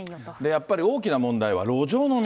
やっぱり大きな問題は路上飲み。